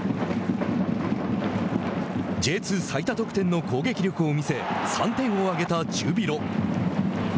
Ｊ２最多得点の攻撃力を見せ３点を挙げたジュビロ。